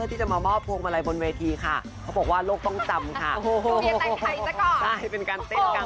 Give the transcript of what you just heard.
เอาจริงแจงพูดภาษาชาวบ้านเนอะ